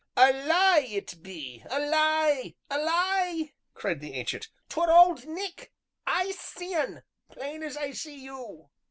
"A lie, it be a lie, a lie!" cried the Ancient, "'twere Old Nick, I see un plain as I see you."